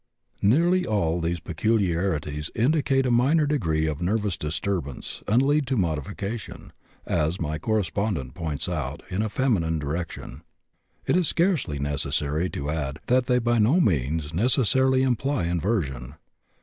Nearly all these peculiarities indicate a minor degree of nervous disturbance and lead to modification, as my correspondent points out, in a feminine direction. It is scarcely necessary to add that they by no means necessarily imply inversion.